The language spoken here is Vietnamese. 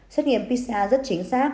xét nghiệm pcr rất chính xác